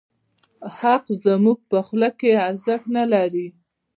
حق زموږ په خوله کې ارزښت نه لري.